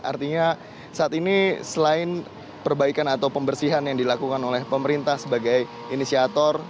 artinya saat ini selain perbaikan atau pembersihan yang dilakukan oleh pemerintah sebagai inisiator